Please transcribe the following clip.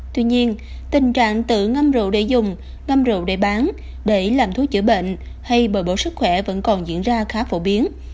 tuy nhiên tình trạng tự ngâm rượu để dùng ngâm rượu để bán để làm thuốc chữa bệnh hay bờ bổ sức khỏe vẫn còn diễn ra khá phổ biến